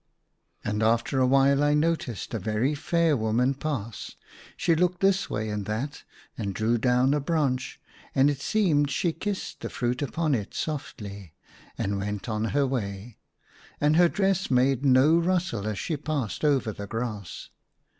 And after a while I noticed a very fair woman pass : she looked this way and that, and drew down a branch, and it seemed she kissed the fruit upon it softly, and went on her way, and her dress made no rustle as she passed over the grass.